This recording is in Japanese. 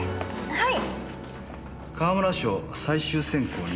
はい。